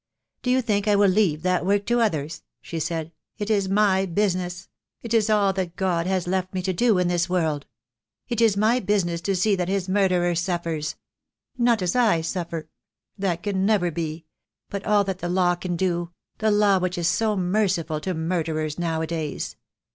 "Do you think I will leave that work to others?" she said. "It is my business. It is all that God has left me to do in this world. It is my business to see that his murderer suffers — not as I suffer — that can never be — but all that the law can do — the law which is so merci ful to murderers now a days.